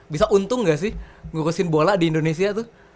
bisa untung gak sih ngurusin bola di indonesia tuh